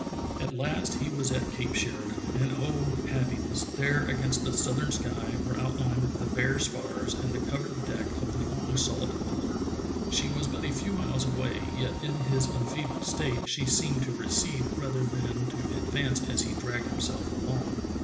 At last he was at Cape Sheridan, and oh! happiness, there against the southern sky were outlined the bare spars and the covered deck of the long sought Alert. She was but a few miles away, yet in his enfeebled state she seemed to recede rather than to advance as he dragged himself along.